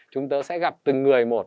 chúng tôi sẽ gặp từng người một